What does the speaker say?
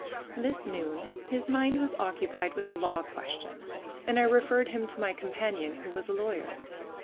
This noon his mind was occupied with a law question, and I referred him to my companion, who was a lawyer.